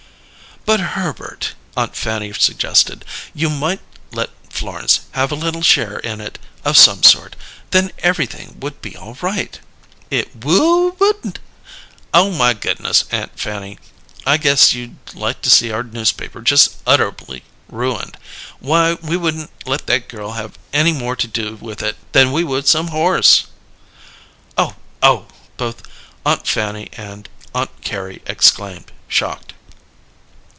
"But, Herbert," Aunt Fanny suggested; "you might let Florence have a little share in it of some sort. Then everything would be all right." "It would?" he said. "It woo wud? Oh, my goodness, Aunt Fanny, I guess you'd like to see our newspaper just utterably ruined! Why, we wouldn't let that girl have any more to do with it than we would some horse!" "Oh, oh!" both Aunt Fanny and Aunt Carrie exclaimed, shocked.